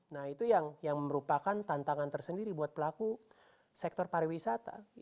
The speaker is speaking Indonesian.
nah itu yang merupakan tantangan tersendiri buat pelaku sektor pariwisata